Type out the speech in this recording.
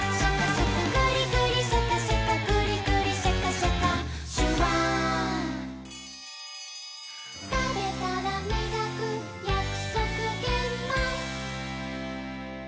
「グリグリシャカシャカグリグリシャカシャカ」「シュワー」「たべたらみがくやくそくげんまん」